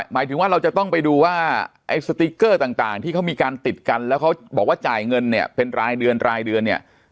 หมายถึงว่าเราจะต้องไปดูว่าไอ้สติ๊กเกอร์ต่างที่เขามีการติดกันแล้วเขาบอกว่าจ่ายเงินเนี่ยเป็นรายเดือนรายเดือนเนี่ย